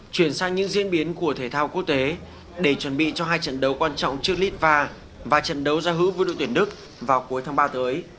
chuyển sang những diễn biến của thể thao quốc tế để chuẩn bị cho hai trận đấu quan trọng trước litva và trận đấu giao hữu với đội tuyển đức vào cuối tháng ba tới